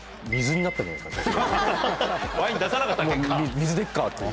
水でいっかっていう。